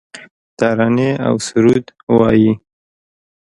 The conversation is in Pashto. ترانې اوسرود وایې